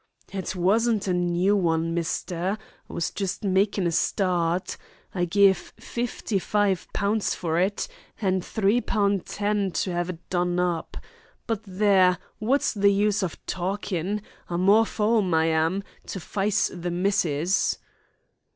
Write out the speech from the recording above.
"It wasn't a new 'un, mister. I was just makin' a stawt. I gev fifty five pound fer it, an' three pun ten to 'ave it done up. But there! What's the use of talkin'? I'm orf 'ome, I am, to fice the missis."